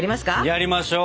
やリましょう！